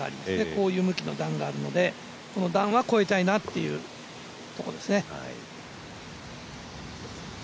こういう向きの段があるので、ここの段は越えたいというところですね。